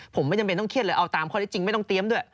ผมไม่จำเป็นต้องเครียดเลยเอาตามข้อได้จริงไม่ต้องเตรียมด้วย